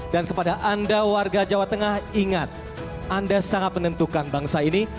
dan kepada anda warga jawa tengah ingat anda sangat menentukan bangsa ini